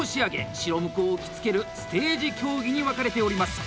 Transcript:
白無垢を着付ける「ステージ競技」に分かれております。